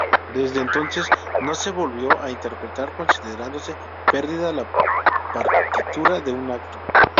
Desde entonces no se volvió a interpretar, considerándose perdida la partitura de un acto.